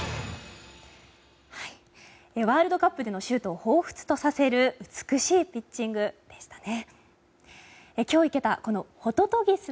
ワールドカップでのシュートをほうふつとさせる美しいピッチングでしたね。